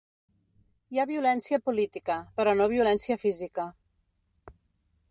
Hi ha violència política, però no violència física